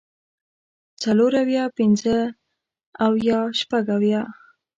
څلور اويه پنځۀ اويه شپږ اويه